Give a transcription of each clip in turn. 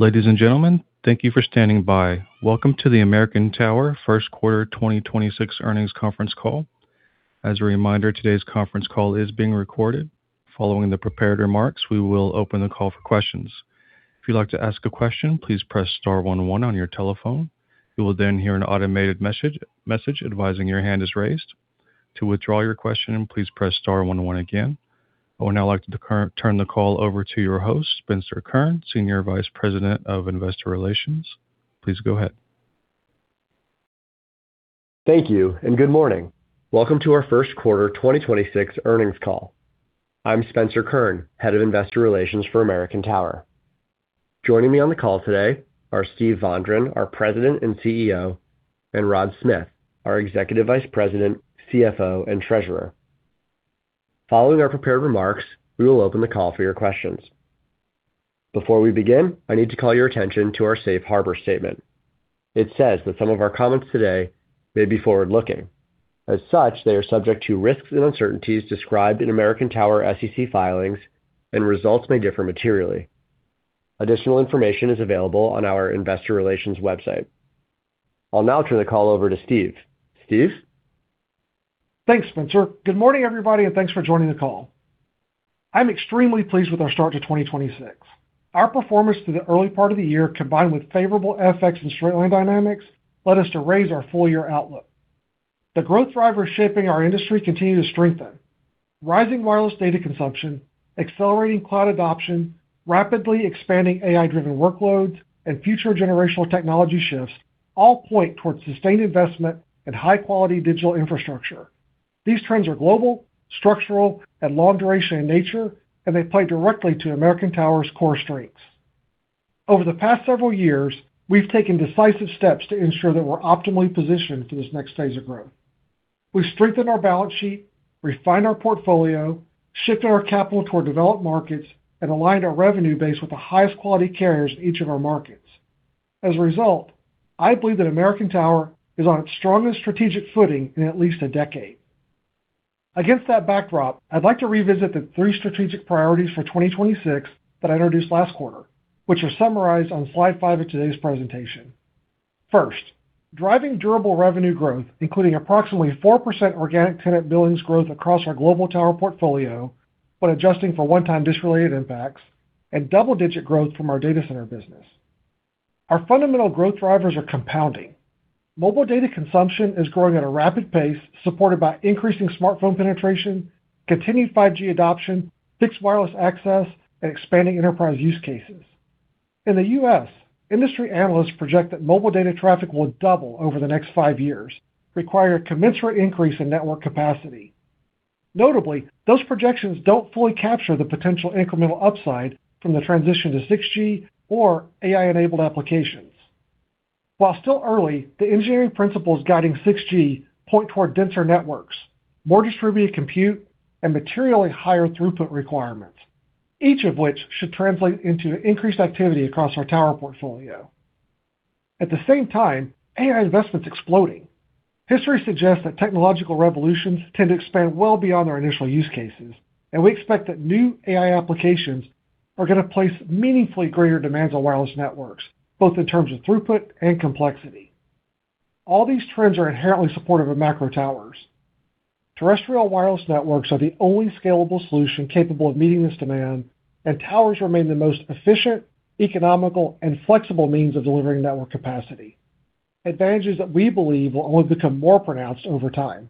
Ladies and gentlemen, thank you for standing by. Welcome to the American Tower First Quarter 2026 earnings conference call. As a reminder, today's conference call is being recorded. Following the prepared remarks, we will open the call for questions. If you'd like to ask a question, please press star one one on your telephone. You will then hear an automated message advising your hand is raised. To withdraw your question, please press star one one again. I would now like to turn the call over to your host, Spencer Kurn, Senior Vice President of Investor Relations. Please go ahead. Thank you and good morning. Welcome to our first quarter 2026 earnings call. I'm Spencer Kurn, Head of Investor Relations for American Tower. Joining me on the call today are Steve Vondran, our President and CEO; and Rod Smith, our Executive Vice President, CFO, and Treasurer. Following our prepared remarks, we will open the call for your questions. Before we begin, I need to call your attention to our Safe Harbor statement. It says that some of our comments today may be forward-looking. As such, they are subject to risks and uncertainties described in American Tower SEC filings and results may differ materially. Additional information is available on our investor relations website. I'll now turn the call over to Steve. Steve? Thanks, Spencer. Good morning, everybody, and thanks for joining the call. I'm extremely pleased with our start to 2026. Our performance through the early part of the year, combined with favorable FX and straight line dynamics, led us to raise our full-year outlook. The growth drivers shaping our industry continue to strengthen. Rising wireless data consumption, accelerating cloud adoption, rapidly expanding AI-driven workloads, and future generational technology shifts all point towards sustained investment in high-quality digital infrastructure. These trends are global, structural, and long duration in nature, and they play directly to American Tower's core strengths. Over the past several years, we've taken decisive steps to ensure that we're optimally positioned for this next phase of growth. We've strengthened our balance sheet, refined our portfolio, shifted our capital toward developed markets, and aligned our revenue base with the highest quality carriers in each of our markets. As a result, I believe that American Tower is on its strongest strategic footing in at least a decade. Against that backdrop, I'd like to revisit the three strategic priorities for 2026 that I introduced last quarter, which are summarized on slide five of today's presentation. First, driving durable revenue growth, including approximately 4% Organic Tenant Billings Growth across our global tower portfolio when adjusting for one-time DISH related impacts and double-digit growth from our data center business. Our fundamental growth drivers are compounding. Mobile data consumption is growing at a rapid pace, supported by increasing smartphone penetration, continued 5G adoption, fixed wireless access, and expanding enterprise use cases. In the U.S., industry analysts project that mobile data traffic will double over the next five years, requiring commensurate increase in network capacity. Notably, those projections don't fully capture the potential incremental upside from the transition to 6G or AI-enabled applications. While still early, the engineering principles guiding 6G point toward denser networks, more distributed compute, and materially higher throughput requirements, each of which should translate into increased activity across our tower portfolio. At the same time, AI investment's exploding. History suggests that technological revolutions tend to expand well beyond their initial use cases, and we expect that new AI applications are gonna place meaningfully greater demands on wireless networks, both in terms of throughput and complexity. All these trends are inherently supportive of macro towers. Terrestrial wireless networks are the only scalable solution capable of meeting this demand, and towers remain the most efficient, economical, and flexible means of delivering network capacity, advantages that we believe will only become more pronounced over time.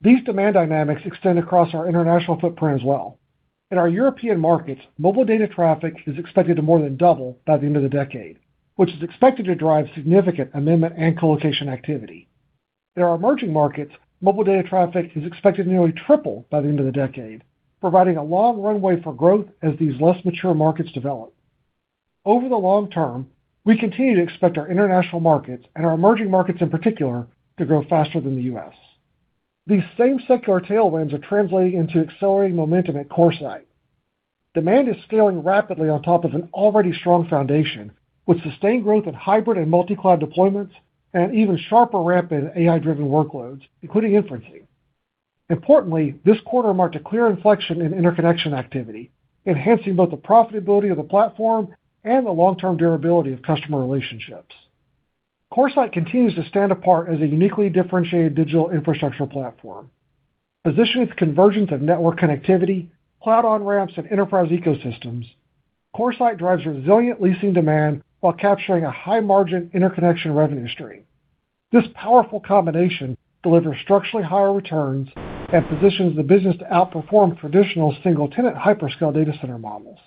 These demand dynamics extend across our international footprint as well. In our European markets, mobile data traffic is expected to more than double by the end of the decade, which is expected to drive significant amendment and colocation activity. In our emerging markets, mobile data traffic is expected to nearly triple by the end of the decade, providing a long runway for growth as these less mature markets develop. Over the long term, we continue to expect our international markets, and our emerging markets in particular, to grow faster than the U.S. These same secular tailwinds are translating into accelerating momentum at CoreSite. Demand is scaling rapidly on top of an already strong foundation, with sustained growth in hybrid and multi-cloud deployments and even sharper ramp in AI-driven workloads, including inference. Importantly, this quarter marked a clear inflection in interconnection activity, enhancing both the profitability of the platform and the long-term durability of customer relationships. CoreSite continues to stand apart as a uniquely differentiated digital infrastructure platform. Positioned at the convergence of network connectivity, cloud on-ramps, and enterprise ecosystems, CoreSite drives resilient leasing demand while capturing a high-margin interconnection revenue stream. This powerful combination delivers structurally higher returns and positions the business to outperform traditional single-tenant hyperscale data center models,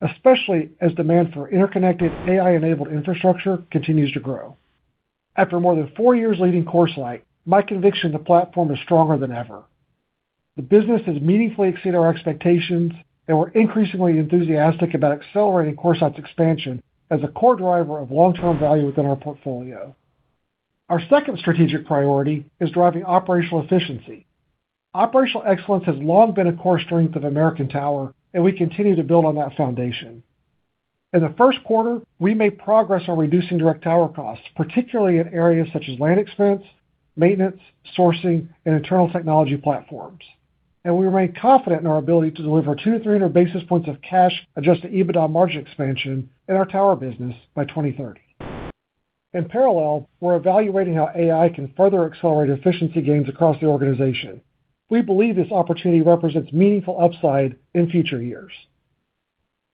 especially as demand for interconnected AI-enabled infrastructure continues to grow. After more than four years leading CoreSite, my conviction in the platform is stronger than ever. The business has meaningfully exceeded our expectations, and we're increasingly enthusiastic about accelerating CoreSite's expansion as a core driver of long-term value within our portfolio. Our second strategic priority is driving operational efficiency. Operational excellence has long been a core strength of American Tower, and we continue to build on that foundation. In the first quarter, we made progress on reducing direct tower costs, particularly in areas such as land expense, maintenance, sourcing, and internal technology platforms. We remain confident in our ability to deliver 200 to 300 basis points of Cash-Adjusted EBITDA margin expansion in our tower business by 2030. In parallel, we're evaluating how AI can further accelerate efficiency gains across the organization. We believe this opportunity represents meaningful upside in future years.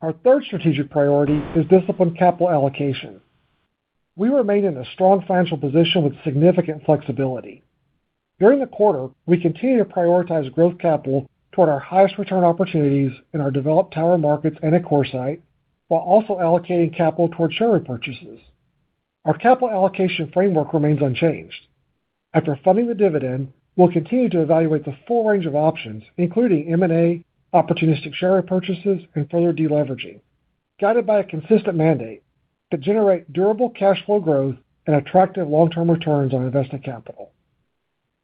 Our third strategic priority is disciplined capital allocation. We remain in a strong financial position with significant flexibility. During the quarter, we continue to prioritize growth capital toward our highest return opportunities in our developed tower markets and at CoreSite, while also allocating capital toward share repurchases. Our capital allocation framework remains unchanged. After funding the dividend, we'll continue to evaluate the full range of options, including M&A, opportunistic share repurchases, and further deleveraging, guided by a consistent mandate to generate durable cash flow growth and attractive long-term returns on invested capital.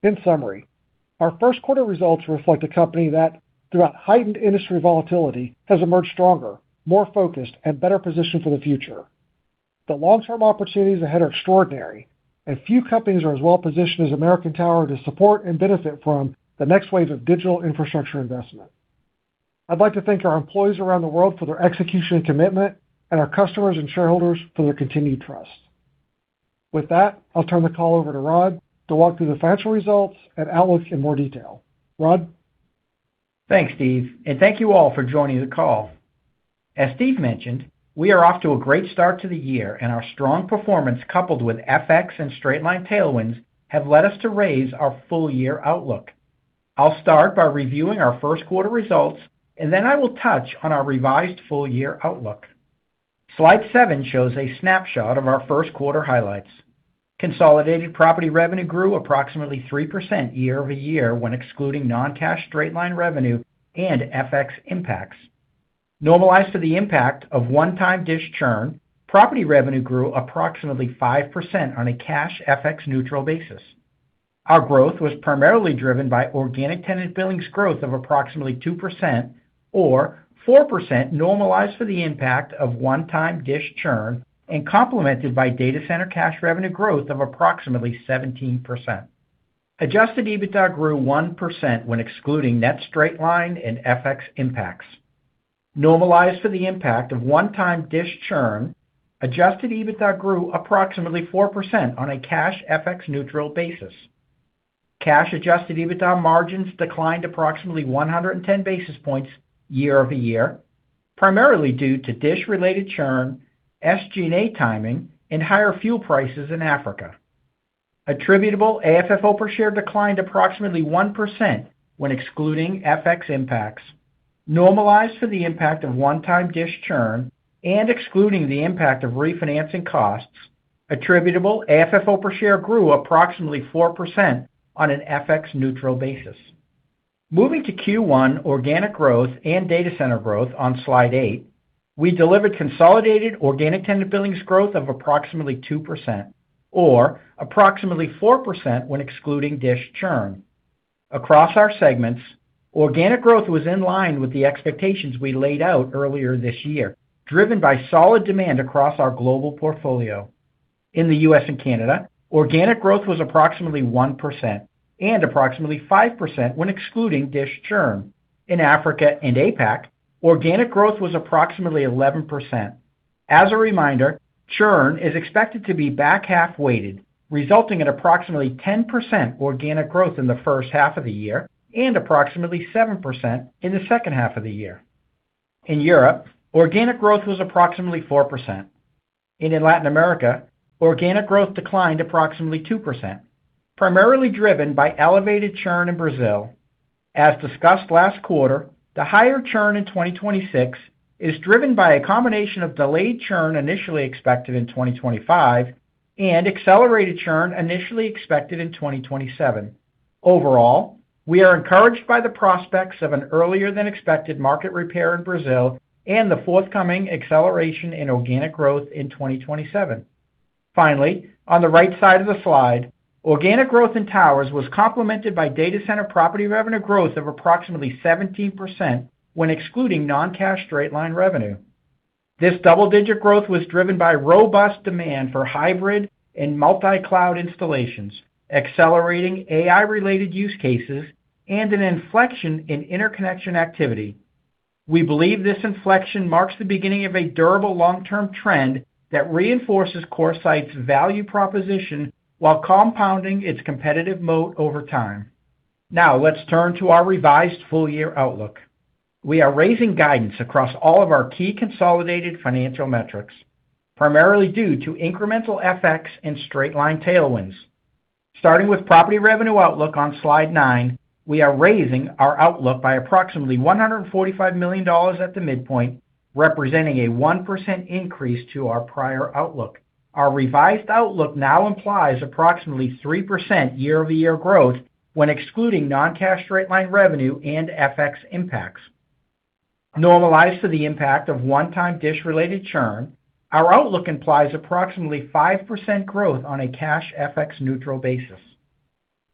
In summary, our first quarter results reflect a company that, throughout heightened industry volatility, has emerged stronger, more focused, and better positioned for the future. The long-term opportunities ahead are extraordinary, and few companies are as well-positioned as American Tower to support and benefit from the next wave of digital infrastructure investment. I'd like to thank our employees around the world for their execution and commitment, and our customers and shareholders for their continued trust. With that, I'll turn the call over to Rod to walk through the financial results and outlook in more detail. Rod? Thanks, Steve. Thank you all for joining the call. As Steve mentioned, we are off to a great start to the year. Our strong performance coupled with FX and straight-line tailwinds have led us to raise our full-year outlook. I'll start by reviewing our first quarter results. Then I will touch on our revised full-year outlook. Slide seven shows a snapshot of our first quarter highlights. Consolidated property revenue grew approximately 3% year-over-year when excluding non-cash straight-line revenue and FX impacts. Normalized to the impact of one-time DISH churn, property revenue grew approximately 5% on a cash FX neutral basis. Our growth was primarily driven by Organic Tenant Billings Growth of approximately 2% or 4% normalized for the impact of one-time DISH churn and complemented by Data Center cash revenue growth of approximately 17%. Adjusted EBITDA grew 1% when excluding net straight line and FX impacts. Normalized to the impact of one-time DISH churn, Adjusted EBITDA grew approximately 4% on a cash FX neutral basis. Cash-Adjusted EBITDA margins declined approximately 110 basis points year-over-year, primarily due to DISH-related churn, SG&A timing, and higher fuel prices in Africa. Attributable AFFO per share declined approximately 1% when excluding FX impacts. Normalized for the impact of one-time DISH churn and excluding the impact of refinancing costs, attributable AFFO per share grew approximately 4% on an FX neutral basis. Moving to Q1 organic growth and data center growth on slide eight, we delivered consolidated Organic Tenant Billings Growth of approximately 2% or approximately 4% when excluding DISH churn. Across our segments, organic growth was in line with the expectations we laid out earlier this year, driven by solid demand across our global portfolio. In the U.S. and Canada, organic growth was approximately 1% and approximately 5% when excluding DISH churn. In Africa and APAC, organic growth was approximately 11%. As a reminder, churn is expected to be back-half weighted, resulting in approximately 10% organic growth in the first half of the year and approximately 7% in the second half of the year. In Europe, organic growth was approximately 4%. In Latin America, organic growth declined approximately 2%, primarily driven by elevated churn in Brazil. As discussed last quarter, the higher churn in 2026 is driven by a combination of delayed churn initially expected in 2025 and accelerated churn initially expected in 2027. Overall, we are encouraged by the prospects of an earlier-than-expected market repair in Brazil and the forthcoming acceleration in organic growth in 2027. On the right side of the slide, organic growth in towers was complemented by data center property revenue growth of approximately 17% when excluding non-cash straight-line revenue. This double-digit growth was driven by robust demand for hybrid and multi-cloud installations, accelerating AI-related use cases, and an inflection in interconnection activity. We believe this inflection marks the beginning of a durable long-term trend that reinforces CoreSite's value proposition while compounding its competitive moat over time. Let's turn to our revised full-year outlook. We are raising guidance across all of our key consolidated financial metrics, primarily due to incremental FX and straight-line tailwinds. Starting with property revenue outlook on slide nine, we are raising our outlook by approximately $145 million at the midpoint, representing a 1% increase to our prior outlook. Our revised outlook now implies approximately 3% year-over-year growth when excluding non-cash straight-line revenue and FX impacts. Normalized to the impact of one-time DISH-related churn, our outlook implies approximately 5% growth on a cash FX neutral basis.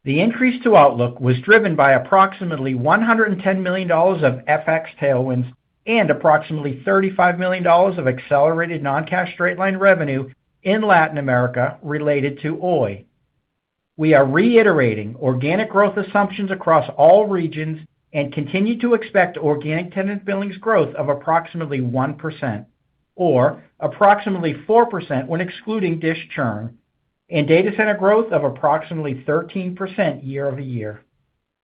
The increase to outlook was driven by approximately $110 million of FX tailwinds and approximately $35 million of accelerated non-cash straight-line revenue in Latin America related to Oi. We are reiterating organic growth assumptions across all regions and continue to expect Organic Tenant Billings Growth of approximately 1% or approximately 4% when excluding DISH churn and data center growth of approximately 13% year-over-year.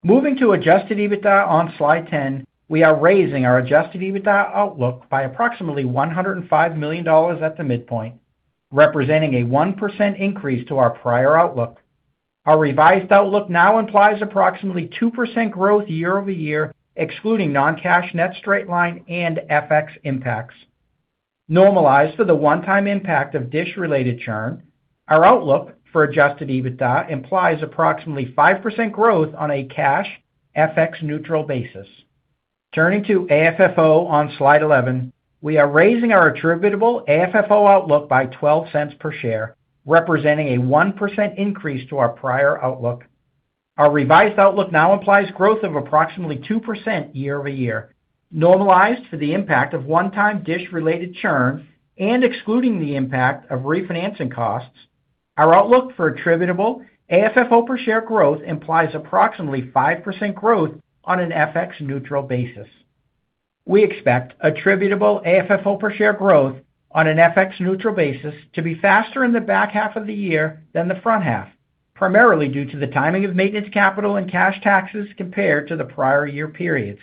Moving to adjusted EBITDA on slide 10, we are raising our adjusted EBITDA outlook by approximately $105 million at the midpoint, representing a 1% increase to our prior outlook. Our revised outlook now implies approximately 2% growth year-over-year, excluding non-cash net straight line and FX impacts. Normalized to the one-time impact of DISH-related churn, our outlook for adjusted EBITDA implies approximately 5% growth on a cash FX neutral basis. Turning to AFFO on slide 11, we are raising our attributable AFFO outlook by $0.12 per share, representing a 1% increase to our prior outlook. Our revised outlook now implies growth of approximately 2% year-over-year. Normalized for the impact of one-time DISH-related churn and excluding the impact of refinancing costs, our outlook for attributable AFFO per share growth implies approximately 5% growth on an FX neutral basis. We expect attributable AFFO per share growth on an FX neutral basis to be faster in the back half of the year than the front half, primarily due to the timing of maintenance capital and cash taxes compared to the prior year periods.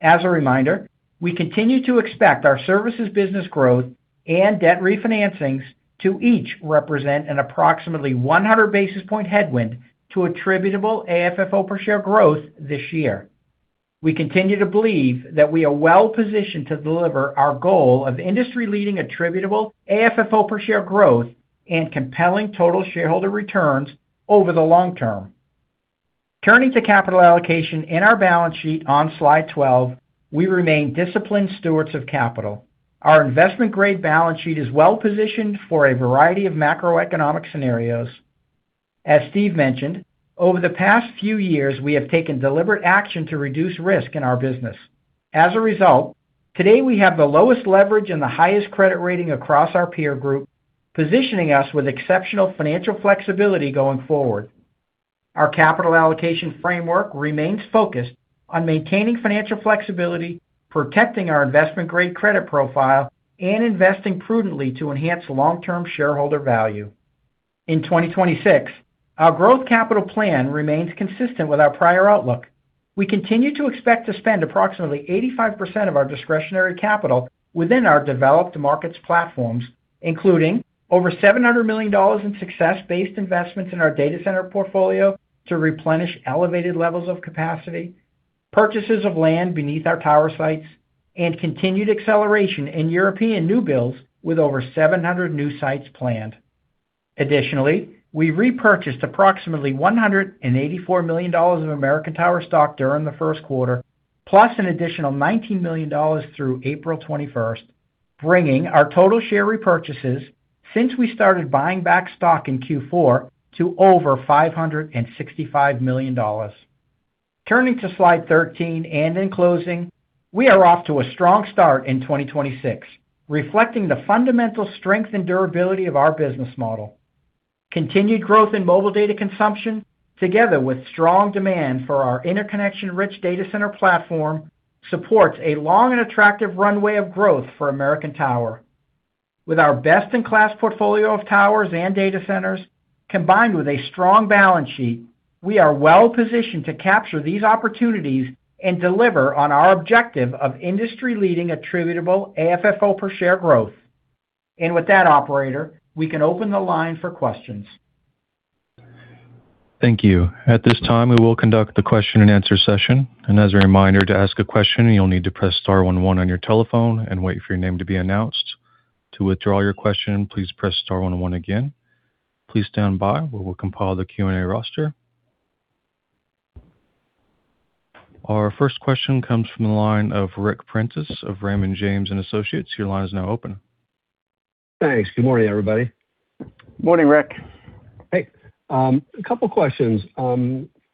As a reminder, we continue to expect our services business growth and debt refinancings to each represent an approximately 100 basis point headwind to attributable AFFO per share growth this year. We continue to believe that we are well-positioned to deliver our goal of industry-leading attributable AFFO per share growth and compelling total shareholder returns over the long term. Turning to capital allocation in our balance sheet on slide 12, we remain disciplined stewards of capital. Our investment-grade balance sheet is well-positioned for a variety of macroeconomic scenarios. As Steve mentioned, over the past few years, we have taken deliberate action to reduce risk in our business. As a result, today we have the lowest leverage and the highest credit rating across our peer group, positioning us with exceptional financial flexibility going forward. Our capital allocation framework remains focused on maintaining financial flexibility, protecting our investment-grade credit profile, and investing prudently to enhance long-term shareholder value. In 2026, our growth capital plan remains consistent with our prior outlook. We continue to expect to spend approximately 85% of our discretionary capital within our developed markets platforms, including over $700 million in success-based investments in our data center portfolio to replenish elevated levels of capacity, purchases of land beneath our tower sites, and continued acceleration in European new builds with over 700 new sites planned. Additionally, we repurchased approximately $184 million of American Tower stock during the first quarter, plus an additional $19 million through April 21st, bringing our total share repurchases since we started buying back stock in Q4 to over $565 million. Turning to slide 13 and in closing, we are off to a strong start in 2026, reflecting the fundamental strength and durability of our business model. Continued growth in mobile data consumption, together with strong demand for our interconnection-rich data center platform, supports a long and attractive runway of growth for American Tower. With our best-in-class portfolio of towers and data centers, combined with a strong balance sheet, we are well-positioned to capture these opportunities and deliver on our objective of industry-leading attributable AFFO per share growth. With that, operator, we can open the line for questions. Thank you. At this time we will conduct a question and answer session, and as a reminder to ask a question you'll need to press star one one on your telephone and wait for your name to be announced. To withdraw your questions, please press one one again. Please stand by while we compile the Q&A roster. Our first question comes from the line of Ric Prentiss of Raymond James & Associates. Your line is now open. Thanks. Good morning, everybody. Morning, Ric. Hey. A couple questions.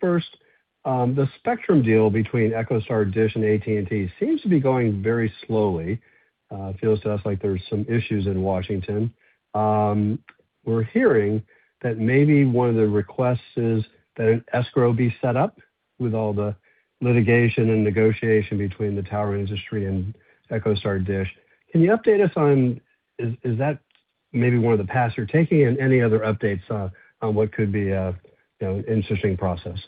First, the spectrum deal between EchoStar, DISH, and AT&T seems to be going very slowly. It feels to us like there's some issues in Washington. We're hearing that maybe one of the requests is that an escrow be set up with all the litigation and negotiation between the tower industry and EchoStar DISH. Can you update us on is that maybe one of the paths you're taking and any other updates on what could be a, you know, an interesting process?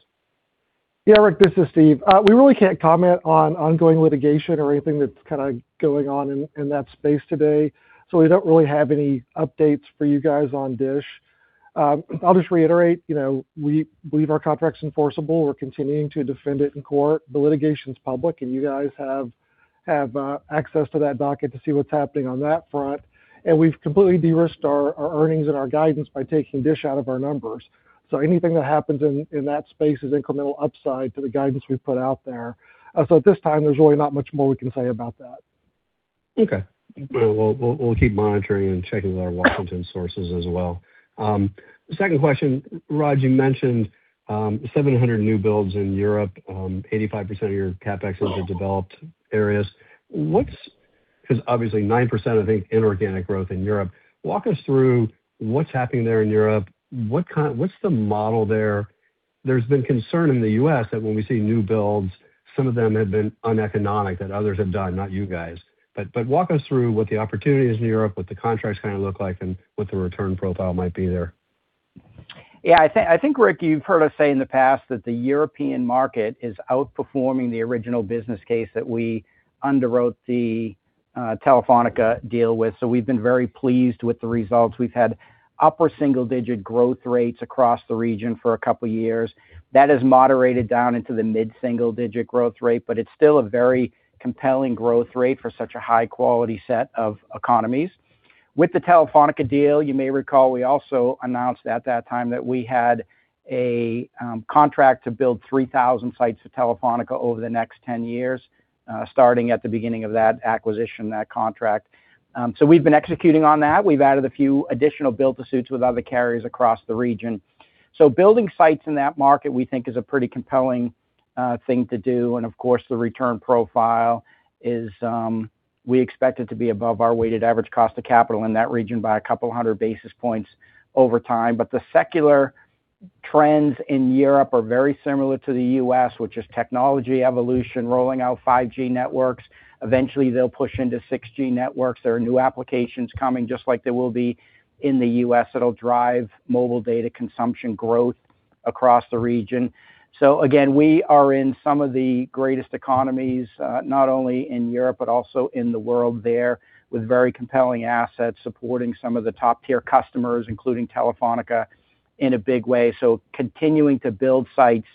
Yeah, Ric, this is Steve. We really can't comment on ongoing litigation or anything that's kinda going on in that space today. We don't really have any updates for you guys on DISH. I'll just reiterate, you know, we believe our contract's enforceable. We're continuing to defend it in court. The litigation's public, and you guys have access to that docket to see what's happening on that front. We've completely de-risked our earnings and our guidance by taking DISH out of our numbers. Anything that happens in that space is incremental upside to the guidance we've put out there. At this time, there's really not much more we can say about that. Okay. We'll keep monitoring and checking with our Washington sources as well. Second question. Rod, you mentioned 700 new builds in Europe, 85% of your CapEx into developed areas. Because obviously 9% of the inorganic growth in Europe. Walk us through what's happening there in Europe. What's the model there? There's been concern in the U.S. that when we see new builds, some of them have been uneconomic, that others have done, not you guys. Walk us through what the opportunity is in Europe, what the contracts kinda look like, and what the return profile might be there. Yeah. I think, Ric, you've heard us say in the past that the European market is outperforming the original business case that we underwrote the Telefónica deal with. We've been very pleased with the results. We've had upper single-digit growth rates across the region for a couple years. That has moderated down into the mid-single-digit growth rate, it's still a very compelling growth rate for such a high quality set of economies. With the Telefónica deal, you may recall we also announced at that time that we had a contract to build 3,000 sites for Telefónica over the next 10 years, starting at the beginning of that acquisition, that contract. We've been executing on that. We've added a few additional build-to-suits with other carriers across the region. Building sites in that market, we think is a pretty compelling thing to do. Of course, the return profile is, we expect it to be above our weighted average cost of capital in that region by 200 basis points over time. The secular trends in Europe are very similar to the U.S., which is technology evolution, rolling out 5G networks. Eventually, they'll push into 6G networks. There are new applications coming, just like there will be in the U.S., that'll drive mobile data consumption growth across the region. Again, we are in some of the greatest economies, not only in Europe, but also in the world there, with very compelling assets supporting some of the top tier customers, including Telefónica, in a big way. Continuing to build sites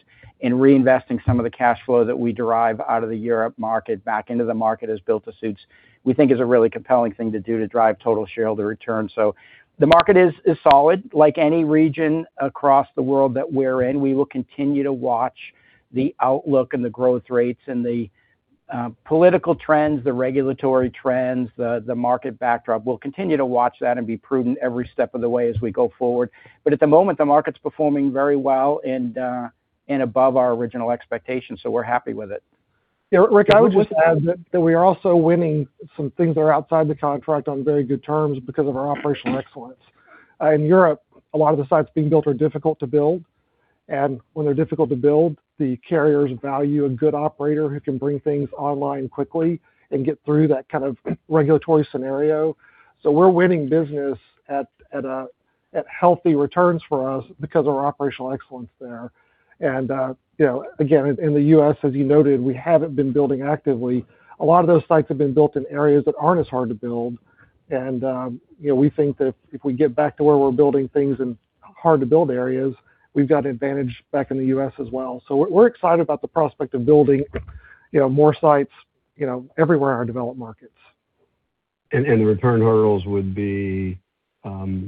and reinvesting some of the cash flow that we derive out of the Europe market back into the market as build-to-suits, we think is a really compelling thing to do to drive total shareholder return. The market is solid. Like any region across the world that we're in, we will continue to watch the outlook and the growth rates and the political trends, the regulatory trends, the market backdrop. We'll continue to watch that and be prudent every step of the way as we go forward. At the moment, the market's performing very well and above our original expectations, so we're happy with it. Ric, I would just add that we are also winning some things that are outside the contract on very good terms because of our operational excellence. In Europe, a lot of the sites being built are difficult to build. When they're difficult to build, the carriers value a good operator who can bring things online quickly and get through that kind of regulatory scenario. We're winning business at healthy returns for us because of our operational excellence there. You know, again, in the U.S., as you noted, we haven't been building actively. A lot of those sites have been built in areas that aren't as hard to build. You know, we think that if we get back to where we're building things in hard-to-build areas, we've got advantage back in the U.S. as well. We're excited about the prospect of building, you know, more sites, you know, everywhere in our developed markets. The return hurdles would be a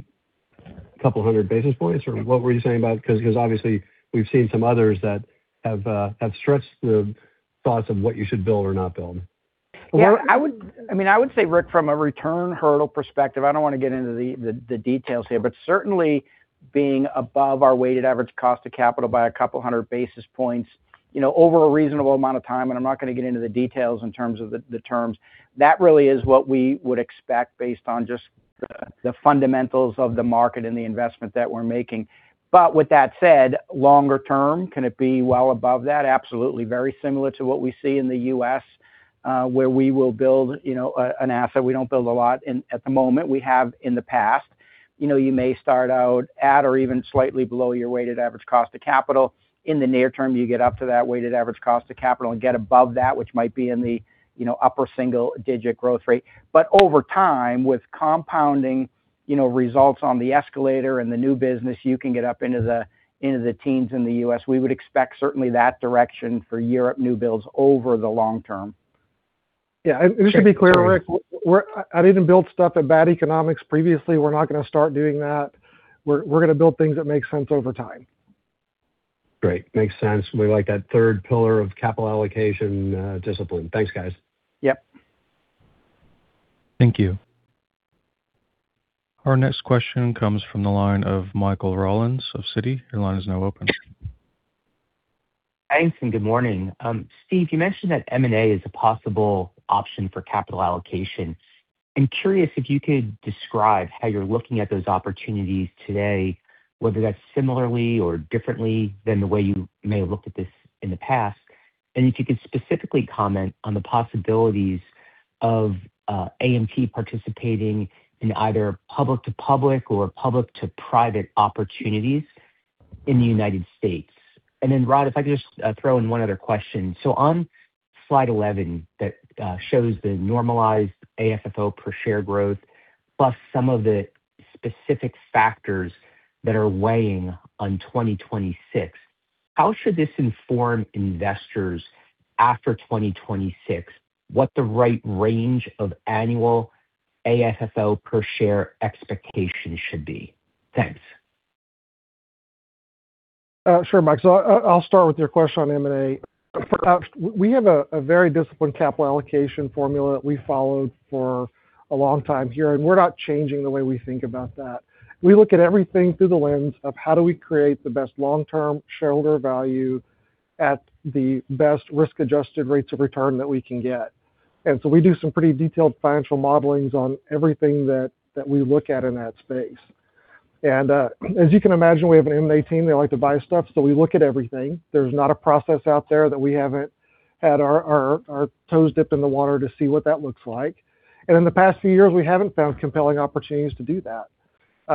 couple hundred basis points? Or what were you saying about? Because obviously we've seen some others that have stretched the thoughts of what you should build or not build. Yeah. I mean, I would say, Ric, from a return hurdle perspective, I don't wanna get into the details here, but certainly being above our weighted average cost of capital by a couple hundred basis points, you know, over a reasonable amount of time, and I'm not gonna get into the details in terms of the terms. That really is what we would expect based on just the fundamentals of the market and the investment that we're making. With that said, longer term, can it be well above that? Absolutely. Very similar to what we see in the U.S., where we will build, you know, an asset. We don't build a lot at the moment. We have in the past. You know, you may start out at or even slightly below your weighted average cost of capital. In the near term, you get up to that weighted average cost of capital and get above that, which might be in the, you know, upper single digit growth rate. Over time, with compounding, you know, results on the escalator and the new business, you can get up into the, into the teens in the U.S. We would expect certainly that direction for Europe new builds over the long term. Yeah. Just to be clear, Ric, I didn't build stuff at bad economics previously. We're not gonna start doing that. We're gonna build things that make sense over time. Great. Makes sense. We like that third pillar of capital allocation discipline. Thanks, guys. Yep. Thank you. Our next question comes from the line of Michael Rollins of Citi. Your line is now open. Thanks, good morning. Steve, you mentioned that M&A is a possible option for capital allocation. I'm curious if you could describe how you're looking at those opportunities today, whether that's similarly or differently than the way you may have looked at this in the past. If you could specifically comment on the possibilities of AMT participating in either public to public or public to private opportunities in the U.S. Rod, if I could just throw in one other question. On slide 11 that shows the normalized AFFO per share growth, plus some of the specific factors that are weighing on 2026, how should this inform investors after 2026 what the right range of annual AFFO per share expectation should be? Thanks. Sure, Mike. I'll start with your question on M&A. We have a very disciplined capital allocation formula that we followed for a long time here, and we're not changing the way we think about that. We look at everything through the lens of how do we create the best long-term shareholder value at the best risk-adjusted rates of return that we can get. We do some pretty detailed financial modelings on everything that we look at in that space. As you can imagine, we have an M&A team. They like to buy stuff, so we look at everything. There's not a process out there that we haven't had our toes dipped in the water to see what that looks like. In the past few years, we haven't found compelling opportunities to do that.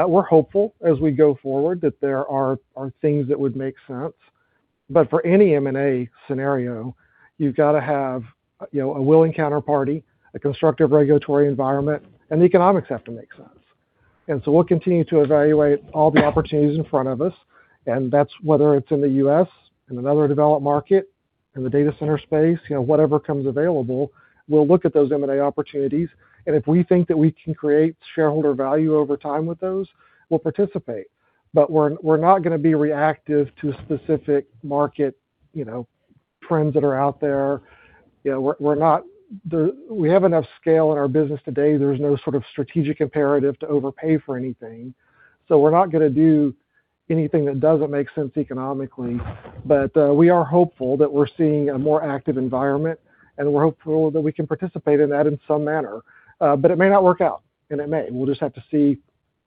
We're hopeful as we go forward that there are things that would make sense. For any M&A scenario, you've gotta have, you know, a willing counterparty, a constructive regulatory environment, and the economics have to make sense. We'll continue to evaluate all the opportunities in front of us, and that's whether it's in the U.S., in another developed market, in the data center space. You know, whatever comes available, we'll look at those M&A opportunities. If we think that we can create shareholder value over time with those, we'll participate. We're not gonna be reactive to specific market, you know, trends that are out there. You know, We have enough scale in our business today. There's no sort of strategic imperative to overpay for anything. We're not gonna do anything that doesn't make sense economically. We are hopeful that we're seeing a more active environment, and we're hopeful that we can participate in that in some manner. It may not work out, and it may. We'll just have to see,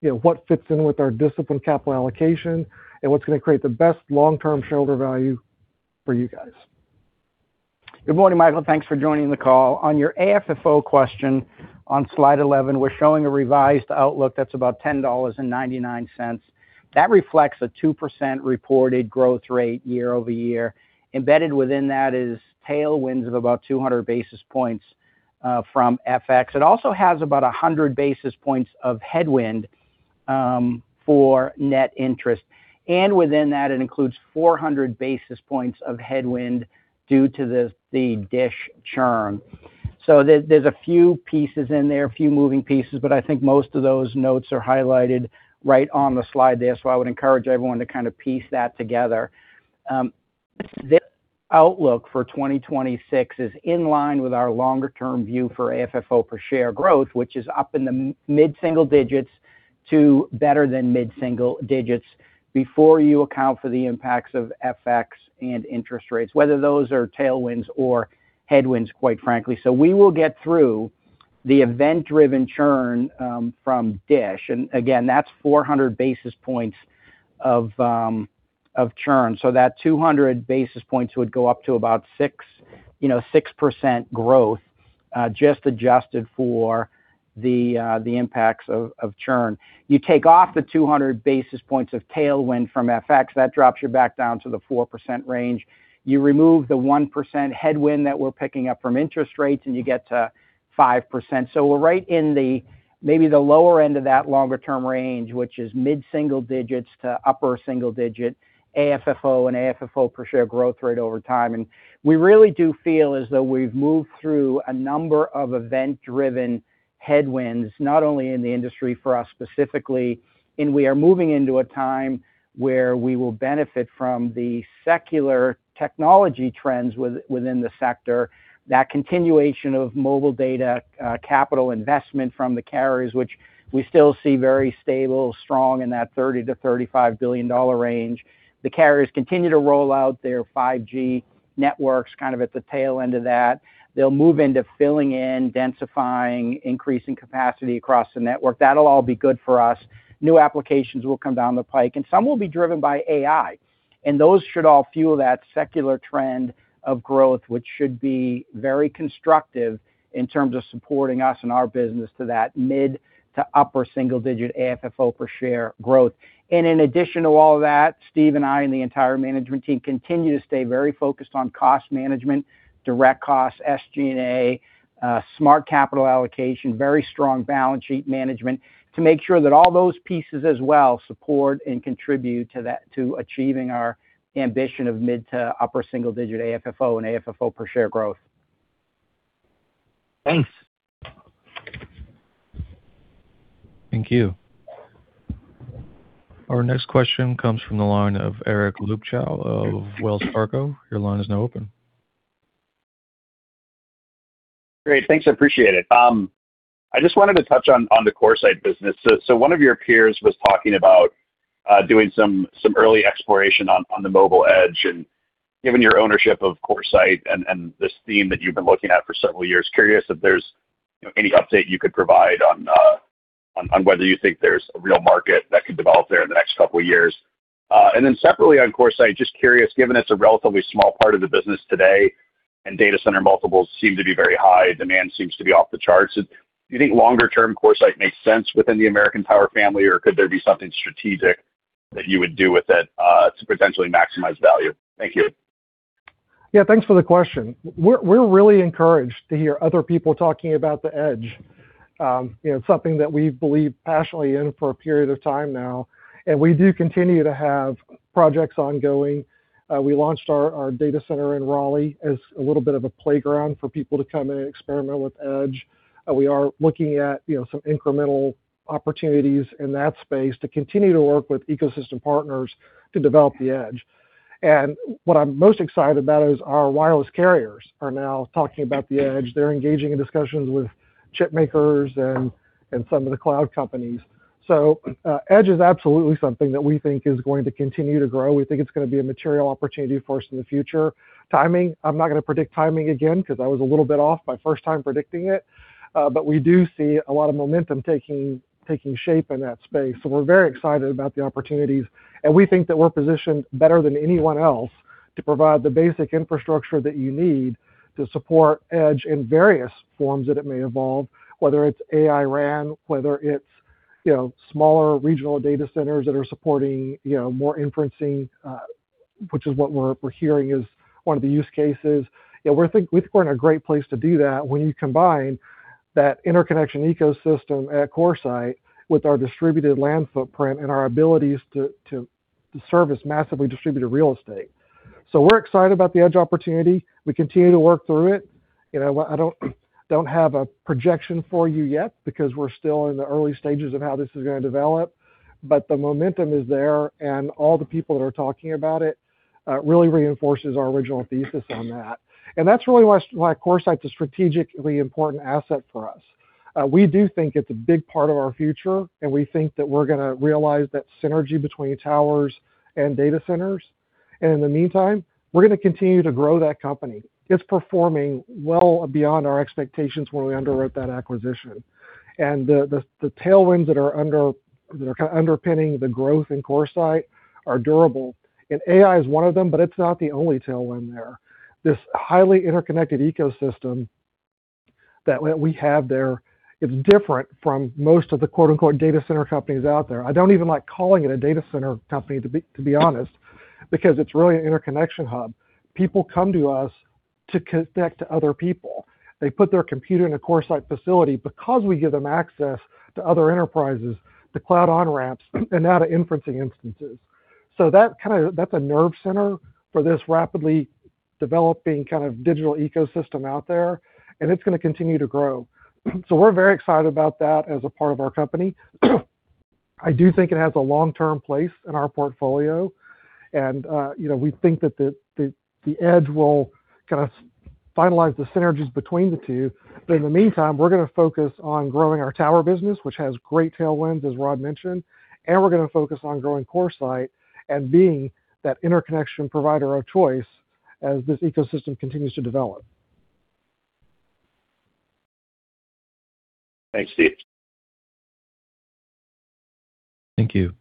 you know, what fits in with our disciplined capital allocation and what's gonna create the best long-term shareholder value for you guys. Good morning, Michael. Thanks for joining the call. On your AFFO question, on slide 11, we're showing a revised outlook that's about $10.99. That reflects a 2% reported growth rate year-over-year. Embedded within that is tailwinds of about 200 basis points from FX. It also has about 100 basis points of headwind for net interest. Within that, it includes 400 basis points of headwind due to the DISH churn. There's a few pieces in there, a few moving pieces, but I think most of those notes are highlighted right on the slide there. I would encourage everyone to kind of piece that together. This outlook for 2026 is in line with our longer-term view for AFFO per share growth, which is up in the mid-single digits to better than mid-single digits before you account for the impacts of FX and interest rates, whether those are tailwinds or headwinds, quite frankly. We will get through the event-driven churn from DISH. Again, that's 400 basis points of churn. That 200 basis points would go up to about 6%, you know, growth, just adjusted for the impacts of churn. You take off the 200 basis points of tailwind from FX, that drops you back down to the 4% range. You remove the 1% headwind that we're picking up from interest rates, and you get to 5%. We're right in the maybe the lower end of that longer term range, which is mid-single digits to upper single digit AFFO and AFFO per share growth rate over time. We really do feel as though we've moved through a number of event-driven headwinds, not only in the industry for us specifically, we are moving into a time where we will benefit from the secular technology trends within the sector. That continuation of mobile data, capital investment from the carriers, which we still see very stable, strong in that $30 billion-$35 billion range. The carriers continue to roll out their 5G networks kind of at the tail end of that. They'll move into filling in, densifying, increasing capacity across the network. That'll all be good for us. New applications will come down the pike, some will be driven by AI. Those should all fuel that secular trend of growth, which should be very constructive in terms of supporting us and our business to that mid to upper single digit AFFO per share growth. In addition to all that, Steve and I and the entire management team continue to stay very focused on cost management, direct costs, SG&A, smart capital allocation, very strong balance sheet management to make sure that all those pieces as well support and contribute to achieving our ambition of mid to upper single digit AFFO and AFFO per share growth. Thanks. Thank you. Our next question comes from the line of Eric Luebchow of Wells Fargo. Your line is now open. Great. Thanks. I appreciate it. I just wanted to touch on the CoreSite business. One of your peers was talking about doing some early exploration on the mobile edge, and given your ownership of CoreSite and this theme that you've been looking at for several years, curious if there's, you know, any update you could provide on whether you think there's a real market that could develop there in the next couple years. Separately on CoreSite, just curious, given it's a relatively small part of the business today and data center multiples seem to be very high, demand seems to be off the charts. Do you think longer term CoreSite makes sense within the American Tower family, or could there be something strategic that you would do with it to potentially maximize value? Thank you. Yeah. Thanks for the question. We're really encouraged to hear other people talking about the edge. You know, something that we've believed passionately in for a period of time now, and we do continue to have projects ongoing. We launched our data center in Raleigh as a little bit of a playground for people to come in and experiment with edge. We are looking at, you know, some incremental opportunities in that space to continue to work with ecosystem partners to develop the edge. What I'm most excited about is our wireless carriers are now talking about the edge. They're engaging in discussions with chip makers and some of the cloud companies. Edge is absolutely something that we think is going to continue to grow. We think it's gonna be a material opportunity for us in the future. Timing, I'm not gonna predict timing again 'cause I was a little bit off my first time predicting it. We do see a lot of momentum taking shape in that space. We're very excited about the opportunities, and we think that we're positioned better than anyone else to provide the basic infrastructure that you need to support edge in various forms that it may evolve, whether it's AI RAN, whether it's, you know, smaller regional data centers that are supporting, you know, more inference, which is what we're hearing is one of the use cases. You know, we think we're in a great place to do that when you combine that interconnection ecosystem at CoreSite with our distributed land footprint and our abilities to service massively distributed real estate. We're excited about the edge opportunity. We continue to work through it. You know, I don't have a projection for you yet because we're still in the early stages of how this is gonna develop. The momentum is there, and all the people that are talking about it, really reinforces our original thesis on that. That's really why CoreSite's a strategically important asset for us. We do think it's a big part of our future, and we think that we're gonna realize that synergy between towers and data centers. In the meantime, we're gonna continue to grow that company. It's performing well beyond our expectations when we underwrote that acquisition. The tailwinds that are underpinning the growth in CoreSite are durable. AI is one of them, but it's not the only tailwind there. This highly interconnected ecosystem that we have there is different from most of the, quote-unquote, "data center companies out there." I don't even like calling it a data center company to be honest because it's really an interconnection hub. People come to us to connect to other people. They put their computer in a CoreSite facility because we give them access to other enterprises, the cloud on-ramps, and now to inference instances. That's a nerve center for this rapidly developing kind of digital ecosystem out there, and it's gonna continue to grow. We're very excited about that as a part of our company. I do think it has a long-term place in our portfolio and, you know, we think that the edge will kind of finalize the synergies between the two. In the meantime, we're gonna focus on growing our tower business, which has great tailwinds, as Rod mentioned, and we're gonna focus on growing CoreSite and being that interconnection provider of choice as this ecosystem continues to develop. Thanks, Steve. Thank you.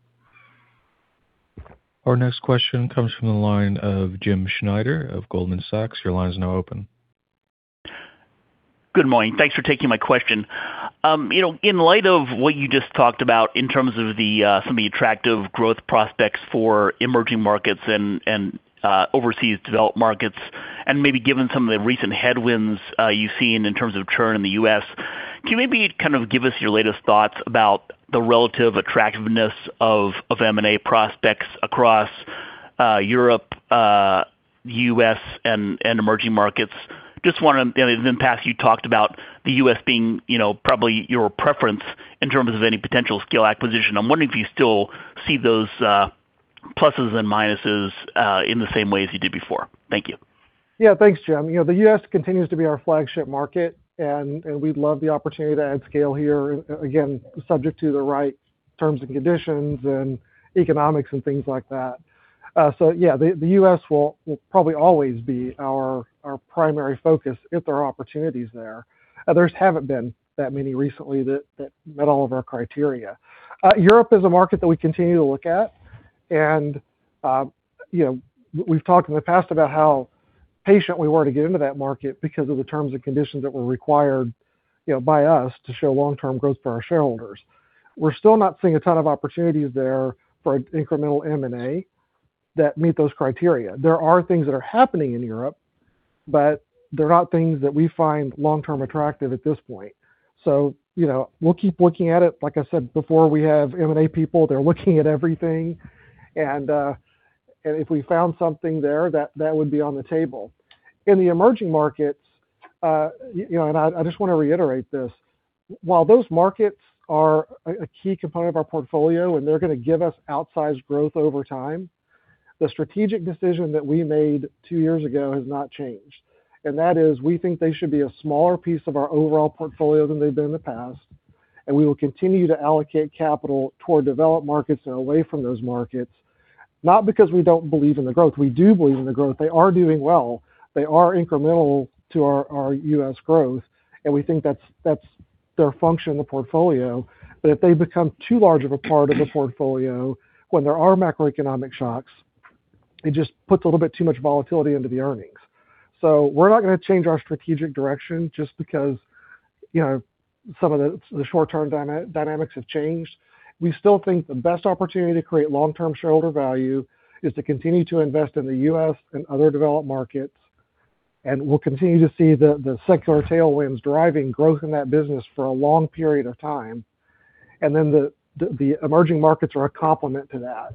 Our next question comes from the line of Jim Schneider of Goldman Sachs. Your line is now open. Good morning. Thanks for taking my question. You know, in light of what you just talked about in terms of the some of the attractive growth prospects for emerging markets and overseas developed markets, and maybe given some of the recent headwinds you've seen in terms of churn in the U.S., can you maybe kind of give us your latest thoughts about the relative attractiveness of M&A prospects across Europe, U.S. and emerging markets? Just wondering, you know, in the past you talked about the U.S. being, you know, probably your preference in terms of any potential scale acquisition. I'm wondering if you still see those pluses and minuses in the same way as you did before. Thank you. Yeah. Thanks, Jim. You know, the U.S. continues to be our flagship market and we'd love the opportunity to add scale here again, subject to the right terms and conditions and economics and things like that. Yeah, the U.S. will probably always be our primary focus if there are opportunities there. There haven't been that many recently that met all of our criteria. Europe is a market that we continue to look at and, you know, we've talked in the past about how patient we were to get into that market because of the terms and conditions that were required, you know, by us to show long-term growth for our shareholders. We're still not seeing a ton of opportunities there for incremental M&A that meet those criteria. There are things that are happening in Europe, but they're not things that we find long-term attractive at this point. You know, we'll keep looking at it. Like I said before, we have M&A people. They're looking at everything and if we found that would be on the table. In the emerging markets, you know, and I just wanna reiterate this, while those markets are a key component of our portfolio and they're gonna give us outsized growth over time, the strategic decision that we made two years ago has not changed. That is, we think they should be a smaller piece of our overall portfolio than they've been in the past, and we will continue to allocate capital toward developed markets and away from those markets, not because we don't believe in the growth. We do believe in the growth. They are doing well. They are incremental to our U.S. growth. We think that's their function in the portfolio. If they become too large of a part of the portfolio when there are macroeconomic shocks, it just puts a little bit too much volatility into the earnings. We're not gonna change our strategic direction just because, you know, some of the short-term dynamics have changed. We still think the best opportunity to create long-term shareholder value is to continue to invest in the U.S. and other developed markets. We'll continue to see the secular tailwinds driving growth in that business for a long period of time. The emerging markets are a complement to that.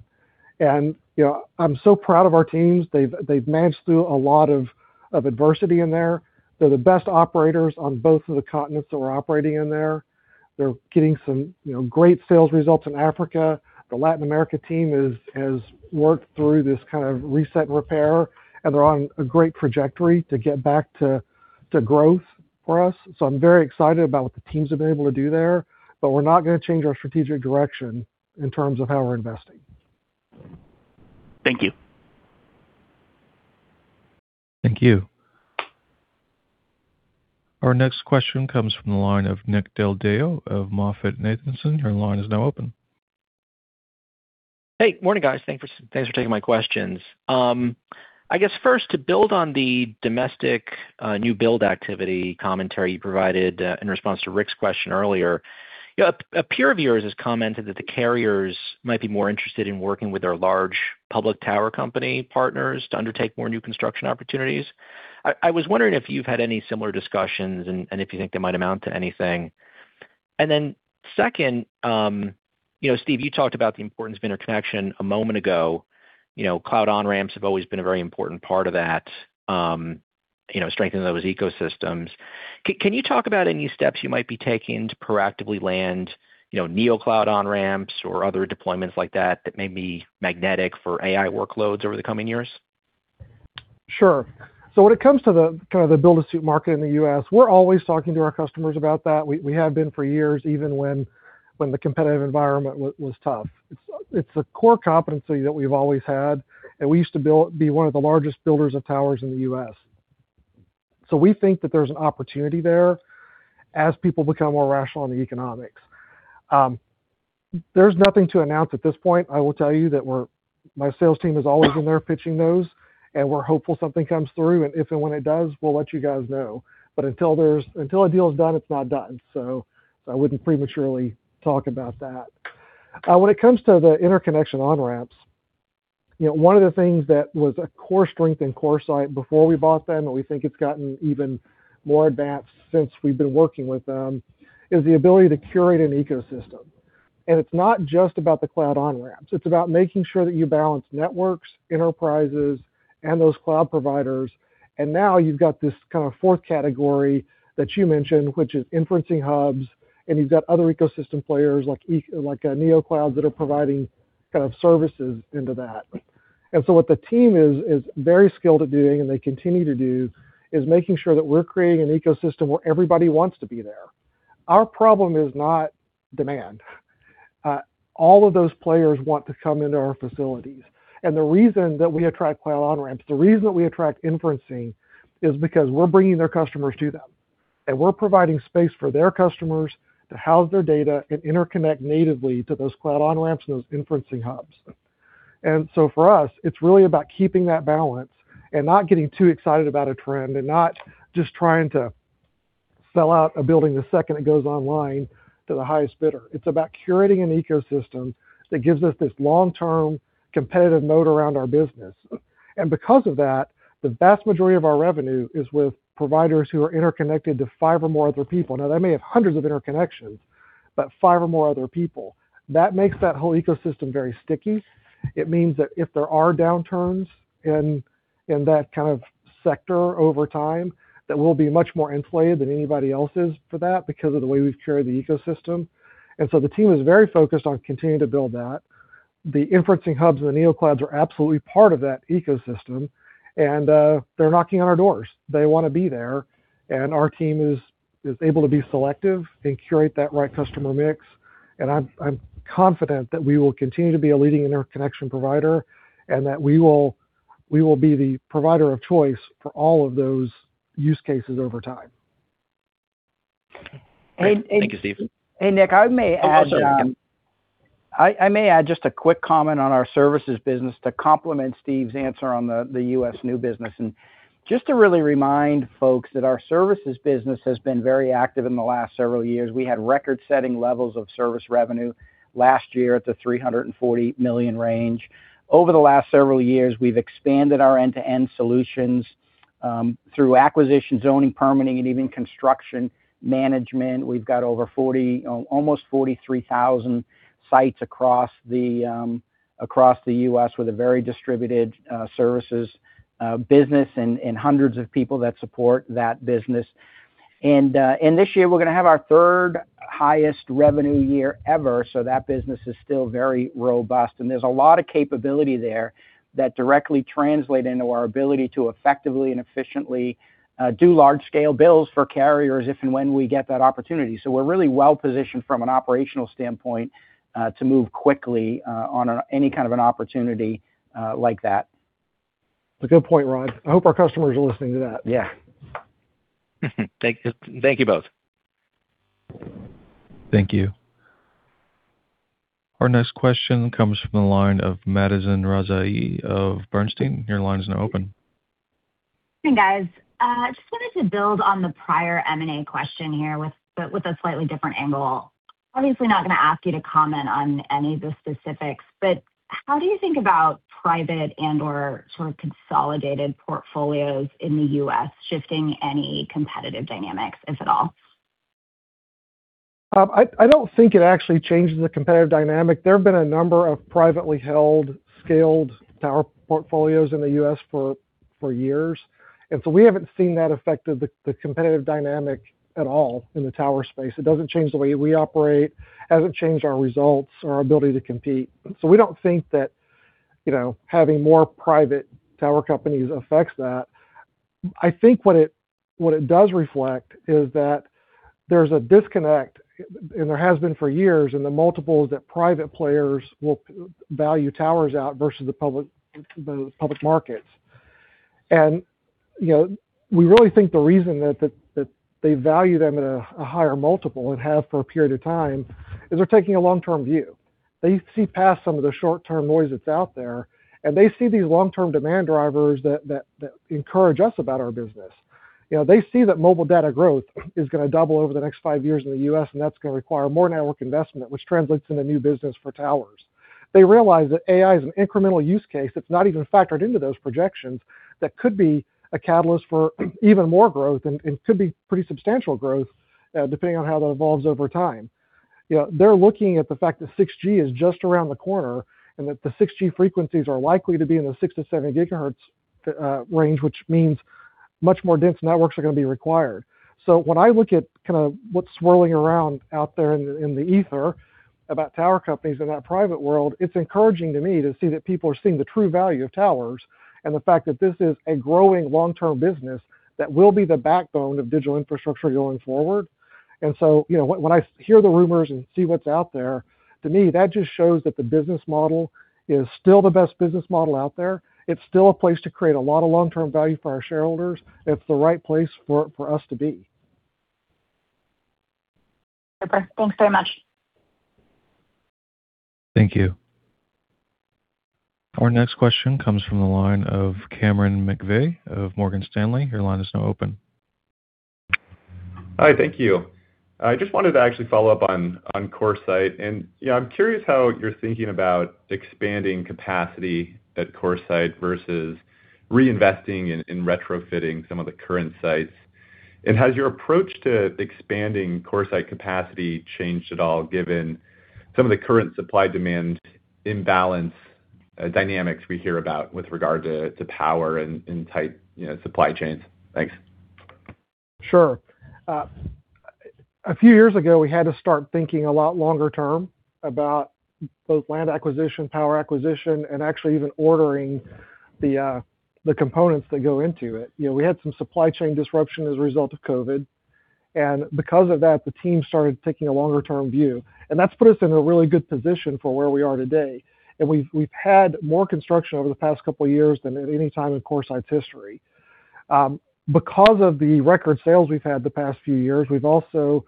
You know, I'm so proud of our teams. They've managed through a lot of adversity in there. They're the best operators on both of the continents that we're operating in there. They're getting some, you know, great sales results in Africa. The Latin America team has worked through this kind of reset and repair, and they're on a great trajectory to get back to growth for us. I'm very excited about what the teams have been able to do there, but we're not gonna change our strategic direction in terms of how we're investing. Thank you. Thank you. Our next question comes from the line of Nick Del Deo of MoffettNathanson. Your line is now open. Morning, guys. Thanks for taking my questions. I guess first, to build on the domestic new build activity commentary you provided in response to Ric's question earlier. You know, a peer of yours has commented that the carriers might be more interested in working with their large public tower company partners to undertake more new construction opportunities. I was wondering if you've had any similar discussions and if you think they might amount to anything? Then second, you know, Steve, you talked about the importance of interconnection a moment ago. You know, cloud on-ramps have always been a very important part of that, you know, strengthening those ecosystems. Can you talk about any steps you might be taking to proactively land, you know, neocloud on-ramps or other deployments like that may be magnetic for AI workloads over the coming years? Sure. When it comes to the kind of the build-to-suit market in the U.S., we're always talking to our customers about that. We have been for years, even when the competitive environment was tough. It's a core competency that we've always had, and we used to be one of the largest builders of towers in the U.S. We think that there's an opportunity there as people become more rational on the economics. There's nothing to announce at this point. I will tell you that my sales team is always in there pitching those, and we're hopeful something comes through. If and when it does, we'll let you guys know. Until there's until a deal is done, it's not done. I wouldn't prematurely talk about that. When it comes to the interconnection on-ramps, you know, one of the things that was a core strength in CoreSite before we bought them, and we think it's gotten even more advanced since we've been working with them, is the ability to curate an ecosystem. It's not just about the cloud on-ramps. It's about making sure that you balance networks, enterprises, and those cloud providers. Now you've got this kind of fourth category that you mentioned, which is inference hubs, and you've got other ecosystem players like neoclouds that are providing kind of services into that. What the team is very skilled at doing and they continue to do is making sure that we're creating an ecosystem where everybody wants to be there. Our problem is not demand. All of those players want to come into our facilities. The reason that we attract cloud on-ramps, the reason that we attract inference is because we're bringing their customers to them, and we're providing space for their customers to house their data and interconnect natively to those cloud on-ramps and those inference hubs. For us, it is really about keeping that balance and not getting too excited about a trend and not just trying to sell out a building the second it goes online to the highest bidder. It is about curating an ecosystem that gives us this long-term competitive moat around our business. Because of that, the vast majority of our revenue is with providers who are interconnected to five or more other people. Now, they may have hundreds of interconnections, but five or more other people. That makes that whole ecosystem very sticky. It means that if there are downturns in that kind of sector over time, that we'll be much more insulated than anybody else is for that because of the way we've curated the ecosystem. The team is very focused on continuing to build that. The inference hubs and the neoclouds are absolutely part of that ecosystem and they're knocking on our doors. They wanna be there and our team is able to be selective and curate that right customer mix. I'm confident that we will continue to be a leading interconnection provider and that we will be the provider of choice for all of those use cases over time. Great. Thank you, Steve. Hey, Nick, I may add. Oh, sorry. I may add just a quick comment on our services business to complement Steve's answer on the U.S. new business. Just to really remind folks that our services business has been very active in the last several years. We had record-setting levels of service revenue last year at the $340 million range. Over the last several years, we've expanded our end-to-end solutions through acquisition, zoning, permitting, and even construction management. We've got over 43,000 sites across the U.S. with a very distributed services business and hundreds of people that support that business. This year, we're gonna have our third-highest revenue year ever. That business is still very robust, and there's a lot of capability there that directly translate into our ability to effectively and efficiently, do large scale builds for carriers if and when we get that opportunity. We're really well-positioned from an operational standpoint, to move quickly, on any kind of an opportunity, like that. It's a good point, Rod. I hope our customers are listening to that. Yeah. Thank you, thank you both. Thank you. Our next question comes from the line of Madison Rezaei of Bernstein. Your line is now open. Hey, guys. Just wanted to build on the prior M&A question here, but with a slightly different angle. Obviously not gonna ask you to comment on any of the specifics, but how do you think about private and/or sort of consolidated portfolios in the U.S. shifting any competitive dynamics, if at all? I don't think it actually changes the competitive dynamic. There have been a number of privately held scaled tower portfolios in the U.S. for years. We haven't seen that affect the competitive dynamic at all in the tower space. It doesn't change the way we operate, hasn't changed our results or our ability to compete. We don't think that, you know, having more private tower companies affects that. I think what it does reflect is that there's a disconnect, and there has been for years, in the multiples that private players will value towers out versus the public markets. You know, we really think the reason that they value them at a higher multiple and have for a period of time is they're taking a long-term view. They see past some of the short-term noise that's out there, and they see these long-term demand drivers that encourage us about our business. You know, they see that mobile data growth is gonna double over the next five years in the U.S., and that's gonna require more network investment, which translates into new business for towers. They realize that AI is an incremental use case that's not even factored into those projections that could be a catalyst for even more growth and could be pretty substantial growth, depending on how that evolves over time. You know, they're looking at the fact that 6G is just around the corner and that the 6G frequencies are likely to be in the 6-7 GHz range, which means much more dense networks are gonna be required. When I look at kinda what's swirling around out there in the ether about tower companies in that private world, it's encouraging to me to see that people are seeing the true value of towers and the fact that this is a growing long-term business that will be the backbone of digital infrastructure going forward. You know, when I hear the rumors and see what's out there, to me, that just shows that the business model is still the best business model out there. It's still a place to create a lot of long-term value for our shareholders. It's the right place for us to be. Super. Thanks very much. Thank you. Our next question comes from the line of Cameron McVeigh of Morgan Stanley. Your line is now open. Hi, thank you. I just wanted to actually follow up on CoreSite. You know, I'm curious how you're thinking about expanding capacity at CoreSite versus reinvesting in retrofitting some of the current sites. Has your approach to expanding CoreSite capacity changed at all given some of the current supply-demand imbalance dynamics we hear about with regard to power and tight, you know, supply chains? Thanks. Sure. A few years ago, we had to start thinking a lot longer term about both land acquisition, power acquisition, and actually even ordering the components that go into it. You know, we had some supply chain disruption as a result of COVID. Because of that, the team started taking a longer term view. That's put us in a really good position for where we are today. We've had more construction over the past couple years than at any time in CoreSite's history. Because of the record sales we've had the past few years, we've also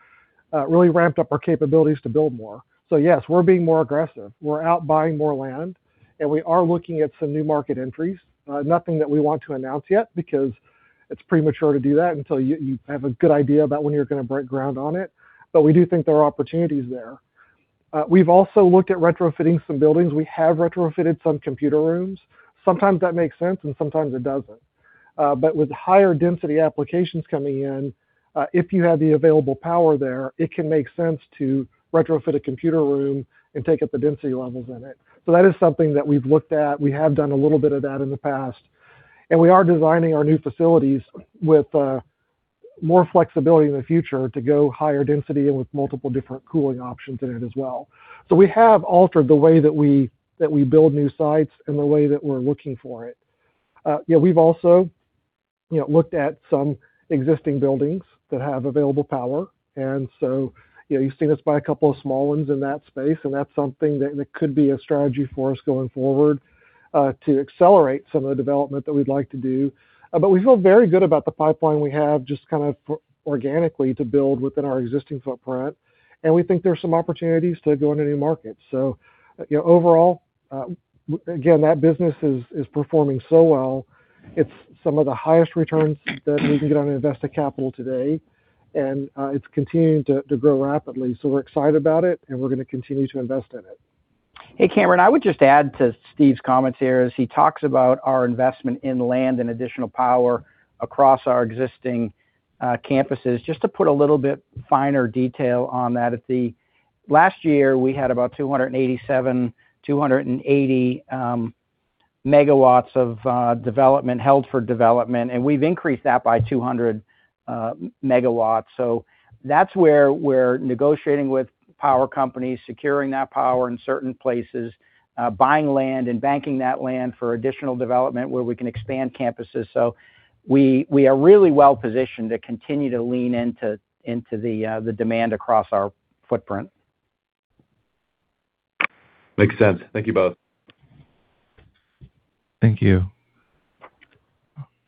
really ramped up our capabilities to build more. Yes, we're being more aggressive. We're out buying more land. We are looking at some new market entries. Nothing that we want to announce yet because it's premature to do that until you have a good idea about when you're gonna break ground on it. We do think there are opportunities there. We've also looked at retrofitting some buildings. We have retrofitted some computer rooms. Sometimes that makes sense, and sometimes it doesn't. But with higher density applications coming in, if you have the available power there, it can make sense to retrofit a computer room and take up the density levels in it. That is something that we've looked at. We have done a little bit of that in the past. We are designing our new facilities with more flexibility in the future to go higher density and with multiple different cooling options in it as well. We have altered the way that we build new sites and the way that we're looking for it. You know, we've also, you know, looked at some existing buildings that have available power. You know, you've seen us buy a couple of small ones in that space, and that's something that could be a strategy for us going forward to accelerate some of the development that we'd like to do. We feel very good about the pipeline we have just kind of for organically to build within our existing footprint, and we think there's some opportunities to go into new markets. You know, overall, again, that business is performing so well. It's some of the highest returns that we can get on invested capital today, and it's continuing to grow rapidly. We're excited about it, and we're gonna continue to invest in it. Hey, Cameron, I would just add to Steve's comments here as he talks about our investment in land and additional power across our existing campuses. Just to put a little bit finer detail on that, last year, we had about 287 MW, 280 MW of development, held for development, and we've increased that by 200 MW. That's where we're negotiating with power companies, securing that power in certain places, buying land and banking that land for additional development where we can expand campuses. We are really well positioned to continue to lean into the demand across our footprint. Makes sense. Thank you both. Thank you.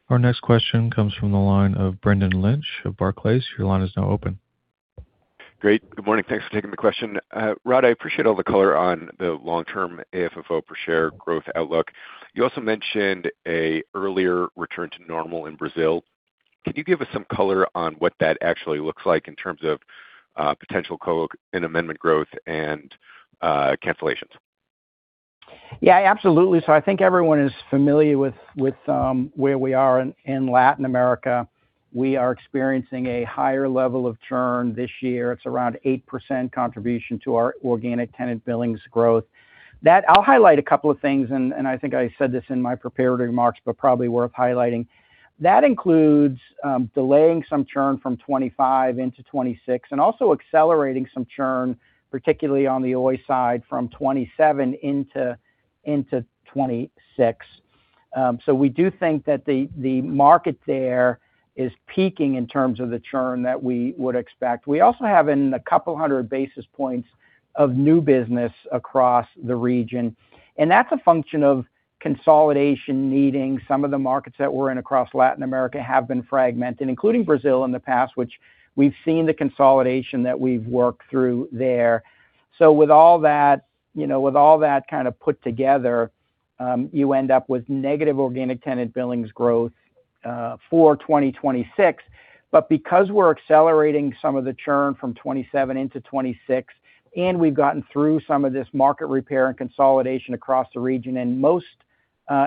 Our next question comes from the line of Brendan Lynch of Barclays. Your line is now open. Great. Good morning. Thanks for taking the question. Rod, I appreciate all the color on the long-term AFFO per share growth outlook. You also mentioned a earlier return to normal in Brazil. Can you give us some color on what that actually looks like in terms of potential co-investment growth and cancellations? Yeah, absolutely. I think everyone is familiar with where we are in Latin America. We are experiencing a higher level of churn this year. It's around 8% contribution to our Organic Tenant Billings Growth. I'll highlight a couple of things and I think I said this in my prepared remarks, but probably worth highlighting. That includes delaying some churn from 2025 into 2026, and also accelerating some churn, particularly on the Oi side from 2027 into 2026. We do think that the market there is peaking in terms of the churn that we would expect. We also have in 200 basis points of new business across the region, and that's a function of consolidation needing. Some of the markets that we're in across Latin America have been fragmented, including Brazil in the past, which we've seen the consolidation that we've worked through there. With all that, you know, with all that kind of put together, you end up with negative Organic Tenant Billings Growth for 2026. Because we're accelerating some of the churn from 2027 into 2026, and we've gotten through some of this market repair and consolidation across the region, and most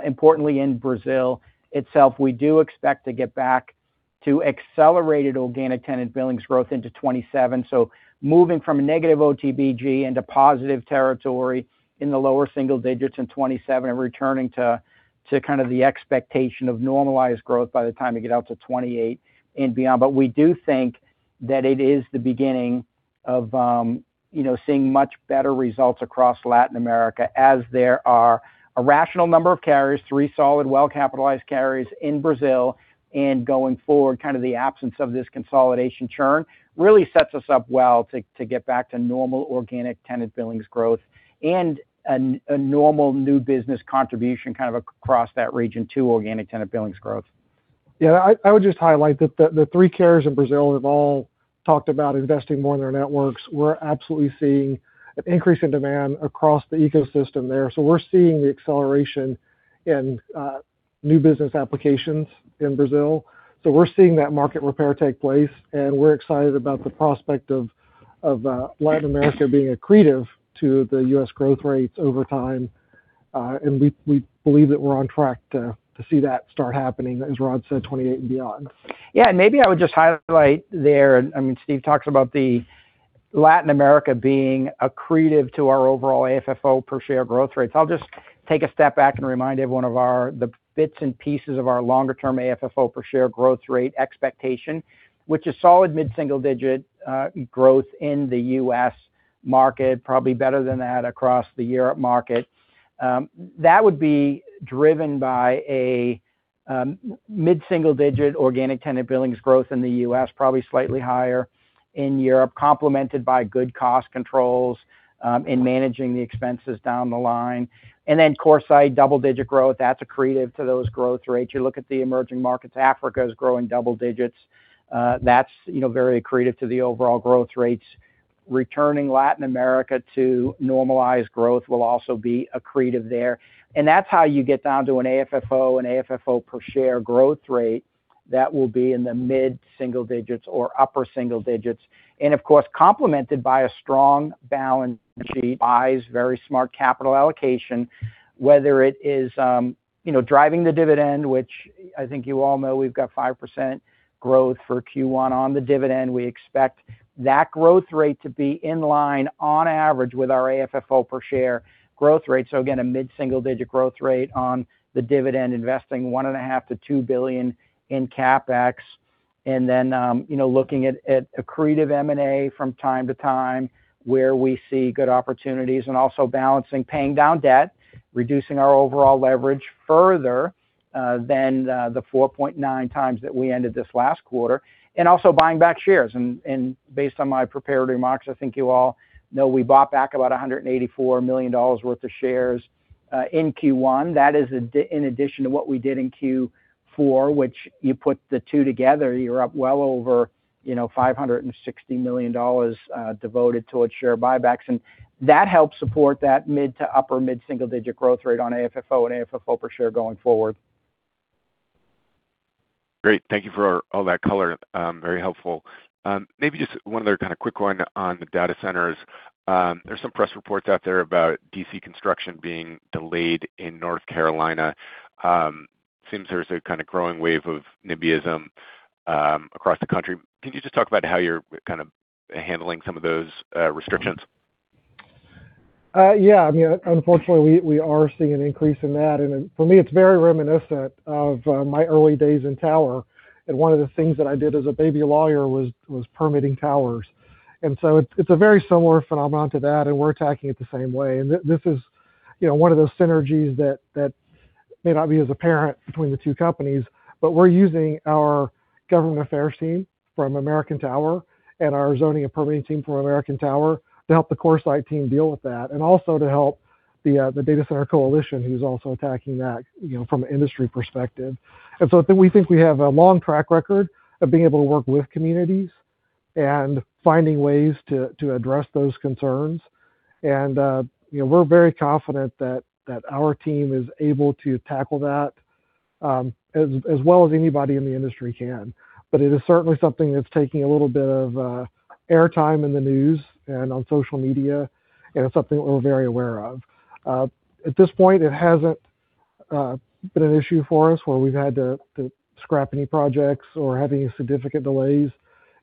importantly in Brazil itself, we do expect to get back to accelerated Organic Tenant Billings Growth into 2027. Moving from a negative OTBG into positive territory in the lower single digits in 2027 and returning to kind of the expectation of normalized growth by the time we get out to 2028 and beyond. We do think that it is the beginning of, you know, seeing much better results across Latin America as there are a rational number of carriers, three solid, well-capitalized carriers in Brazil. Going forward, kind of the absence of this consolidation churn really sets us up well to get back to normal Organic Tenant Billings Growth and a normal new business contribution kind of across that region too, Organic Tenant Billings Growth. Yeah. I would just highlight that the three carriers in Brazil have all talked about investing more in their networks. We're absolutely seeing an increase in demand across the ecosystem there. We're seeing the acceleration in new business applications in Brazil. We're seeing that market repair take place, and we're excited about the prospect of Latin America being accretive to the U.S. growth rates over time. And we believe that we're on track to see that start happening, as Rod said, 2028 and beyond. Yeah. Maybe I would just highlight there, I mean, Steve talks about Latin America being accretive to our overall AFFO per share growth rates. I'll just take a step back and remind everyone of the bits and pieces of our longer-term AFFO per share growth rate expectation, which is solid mid-single-digit growth in the U.S. market, probably better than that across the Europe market. That would be driven by a mid-single-digit Organic Tenant Billings Growth in the U.S., probably slightly higher in Europe, complemented by good cost controls in managing the expenses down the line. CoreSite double-digit growth, that's accretive to those growth rates. You look at the emerging markets, Africa is growing double-digits. That's, you know, very accretive to the overall growth rates. Returning Latin America to normalized growth will also be accretive there. That's how you get down to an AFFO, an AFFO per share growth rate that will be in the mid-single digits or upper single digits. Of course, complemented by a strong balance sheet, wise, very smart capital allocation, whether it is, you know, driving the dividend, which I think you all know we've got 5% growth for Q1 on the dividend. We expect that growth rate to be in line on average with our AFFO per share growth rate. Again, a mid-single digit growth rate on the dividend, investing one and a half to two billion in CapEx. Then, you know, looking at accretive M&A from time to time where we see good opportunities and also balancing paying down debt, reducing our overall leverage further than the 4.9x that we ended this last quarter. Also buying back shares. Based on my prepared remarks, I think you all know we bought back about $184 million worth of shares in Q1. That is in addition to what we did in Q4, which you put the two together, you're up well over, you know, $560 million devoted towards share buybacks. That helps support that mid to upper mid-single digit growth rate on AFFO and AFFO per share going forward. Great. Thank you for all that color. Very helpful. Maybe just one other kind of quick one on the data centers. There's some press reports out there about DC construction being delayed in North Carolina. Seems there's a kind of growing wave of NIMBYism across the country. Can you just talk about how you're kind of handling some of those restrictions? Yeah, I mean, unfortunately, we are seeing an increase in that. For me, it's very reminiscent of my early days in Tower. One of the things that I did as a baby lawyer was permitting towers. So it's a very similar phenomenon to that, and we're attacking it the same way. This is, you know, one of those synergies that may not be as apparent between the two companies, but we're using our government affairs team from American Tower and our zoning and permitting team from American Tower to help the CoreSite team deal with that, and also to help the Data Center Coalition, who's also attacking that, you know, from an industry perspective. I think we have a long track record of being able to work with communities and finding ways to address those concerns. You know, we're very confident that our team is able to tackle that as well as anybody in the industry can. It is certainly something that's taking a little bit of airtime in the news and on social media, and it's something that we're very aware of. At this point, it hasn't been an issue for us where we've had to scrap any projects or have any significant delays.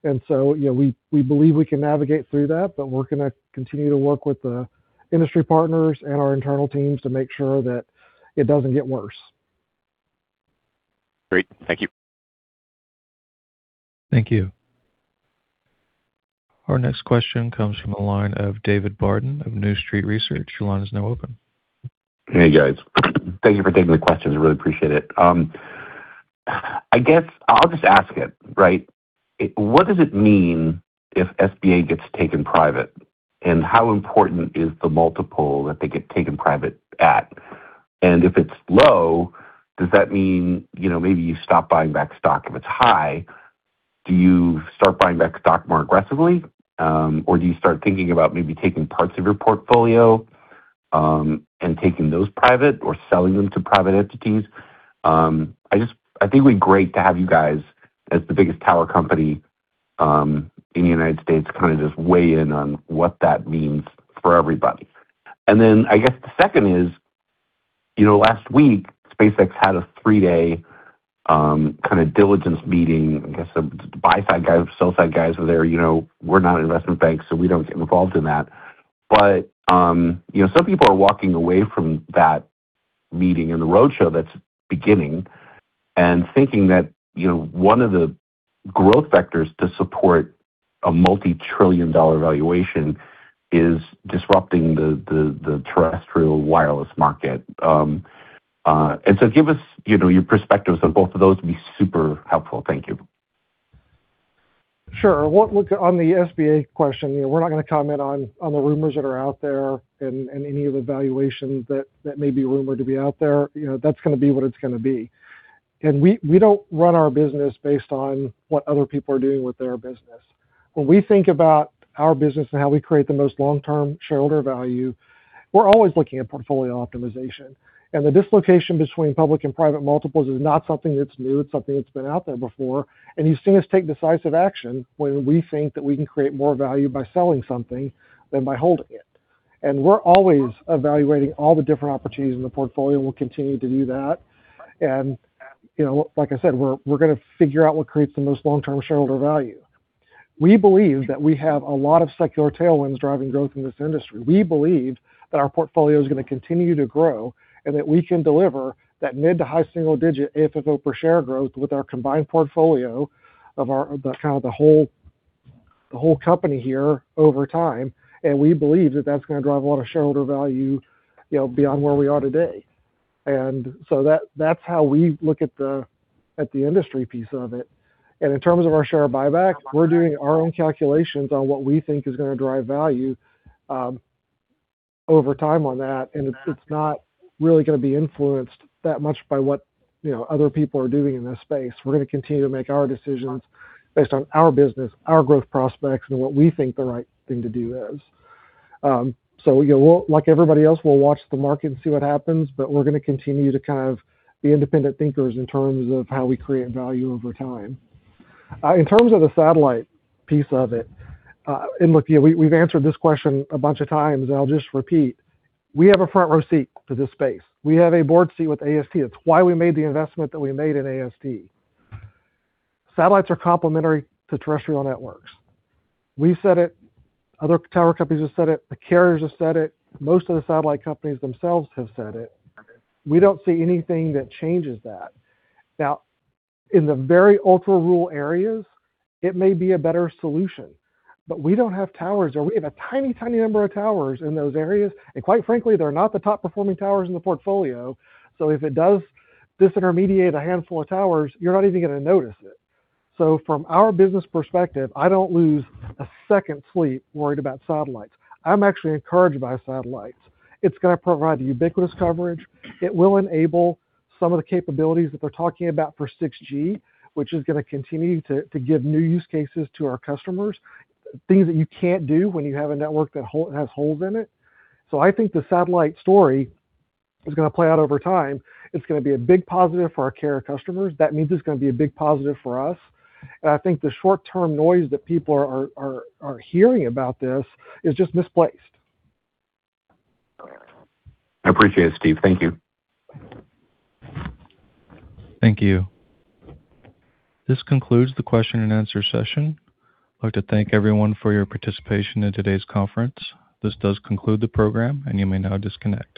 You know, we believe we can navigate through that, but we're gonna continue to work with the industry partners and our internal teams to make sure that it doesn't get worse. Great. Thank you. Thank you. Our next question comes from the line of David Barden of New Street Research. Your line is now open. Hey, guys. Thank you for taking the questions. I really appreciate it. I guess I'll just ask it, right? What does it mean if SBA gets taken private? How important is the multiple that they get taken private at? If it's low, does that mean, you know, maybe you stop buying back stock? If it's high, do you start buying back stock more aggressively? Or do you start thinking about maybe taking parts of your portfolio, and taking those private or selling them to private entities? I think it'd be great to have you guys as the biggest tower company in the U.S. kinda just weigh in on what that means for everybody. I guess the second is, you know, last week, SpaceX had a three-day kinda diligence meeting. I guess some buy-side guys, sell-side guys were there. You know, we're not an investment bank, so we don't get involved in that. You know, some people are walking away from that meeting and the roadshow that's beginning and thinking that, you know, one of the growth vectors to support a multi-trillion dollar valuation is disrupting the terrestrial wireless market. Give us, you know, your perspectives on both of those would be super helpful. Thank you. Sure. Look, on the SBA question, you know, we're not gonna comment on the rumors that are out there and any of the valuations that may be rumored to be out there. You know, that's gonna be what it's gonna be. We, we don't run our business based on what other people are doing with their business. When we think about our business and how we create the most long-term shareholder value, we're always looking at portfolio optimization. The dislocation between public and private multiples is not something that's new. It's something that's been out there before. You've seen us take decisive action when we think that we can create more value by selling something than by holding it. We're always evaluating all the different opportunities in the portfolio, and we'll continue to do that. You know, like I said, we're gonna figure out what creates the most long-term shareholder value. We believe that we have a lot of secular tailwinds driving growth in this industry. We believe that our portfolio is gonna continue to grow, and that we can deliver that mid to high single digit AFFO per share growth with our combined portfolio of the whole company here over time. We believe that that's gonna drive a lot of shareholder value, you know, beyond where we are today. That's how we look at the industry piece of it. In terms of our share buyback, we're doing our own calculations on what we think is gonna drive value over time on that, and it's not really gonna be influenced that much by what, you know, other people are doing in this space. We're gonna continue to make our decisions based on our business, our growth prospects, and what we think the right thing to do is. You know, like everybody else, we'll watch the market and see what happens, but we're gonna continue to kind of be independent thinkers in terms of how we create value over time. In terms of the satellite piece of it, look, you know, we've answered this question a bunch of times, and I'll just repeat. We have a front row seat to this space. We have a board seat with AST. It's why we made the investment that we made in AST. Satellites are complementary to terrestrial networks. We've said it, other tower companies have said it, the carriers have said it, most of the satellite companies themselves have said it. We don't see anything that changes that. In the very ultra-rural areas, it may be a better solution, we don't have towers there. We have a tiny number of towers in those areas. Quite frankly, they're not the top performing towers in the portfolio. If it does disintermediate a handful of towers, you're not even gonna notice it. From our business perspective, I don't lose a second sleep worried about satellites. I'm actually encouraged by satellites. It's gonna provide ubiquitous coverage. It will enable some of the capabilities that they're talking about for 6G, which is gonna continue to give new use cases to our customers, things that you can't do when you have a network that has holes in it. I think the satellite story is gonna play out over time. It's gonna be a big positive for our carrier customers. That means it's gonna be a big positive for us. I think the short-term noise that people are hearing about this is just misplaced. I appreciate it, Steve. Thank you. Thank you. This concludes the question and answer session. I'd like to thank everyone for your participation in today's conference. This does conclude the program, and you may now disconnect.